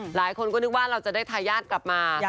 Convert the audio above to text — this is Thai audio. หลายคนก็นึกว่าเราจะได้ทายาทกลับมา